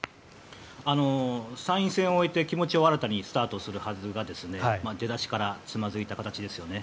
参院選を終えて気持ちを新たにスタートするはずが出だしからつまずいた形ですよね